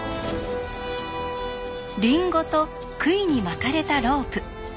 リンゴとくいに巻かれたロープ。